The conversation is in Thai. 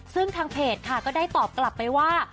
ซึ่งทางเพจค่ะก็ได้ตอบกลับไปว่า